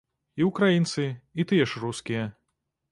І ўкраінцы, і тыя ж рускія.